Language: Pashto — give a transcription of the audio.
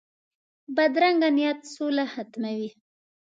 بدرنګه نیت سوله ختموي